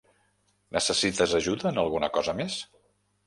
Necessites ajuda en alguna cosa més?